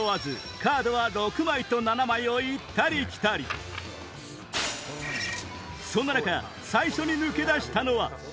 カードは６枚と７枚を行ったり来たりそんな中最初に抜け出したのは？